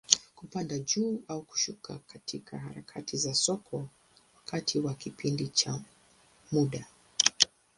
Kupanda juu au kushuka katika harakati za soko, wakati wa kipindi cha muda.